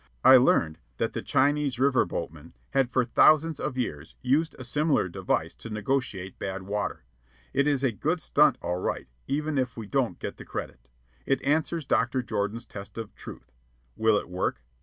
I learned that the Chinese river boatmen had for thousands of years used a similar device to negotiate "bad water." It is a good stunt all right, even if we don't get the credit. It answers Dr. Jordan's test of truth: "Will it work?